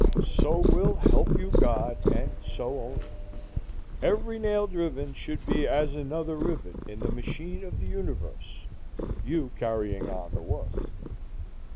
So will help you God, and so only. Every nail driven should be as another rivet in the machine of the universe, you carrying on the work.